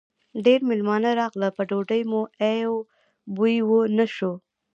ډېر مېلمانه راغلل؛ په ډوډۍ مو ای و بوی و نه شو.